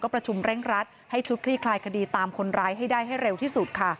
ประชุมเร่งรัดให้ชุดคลี่คลายคดีตามคนร้ายให้ได้ให้เร็วที่สุดค่ะ